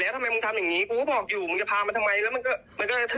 แล้วที่พี่ผมบอกเองที่ผมบอกอยากมีงาน